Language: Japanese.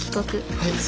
はい。